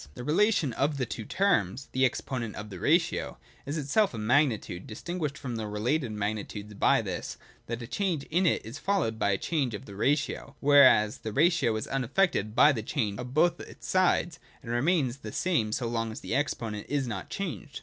This relation of the two terms (the exponent of the ratio) is itself a magnitude, distinguished from the related magni tudes by this, that a change in it is followed by a change of the ratio, whereas the ratio is unaifected by the change of both its sides, and remains the same so long as the exponent is not changed.